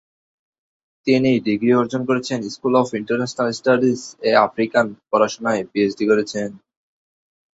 তিনি ডিগ্রি অর্জন করছেন স্কুল অফ ইন্টারন্যাশনাল স্টাডিজ-এ আফ্রিকান পড়াশুনায় পিএইচডি করেছেন।